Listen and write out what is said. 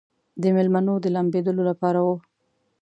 د مېلمنو د لامبېدلو لپاره و.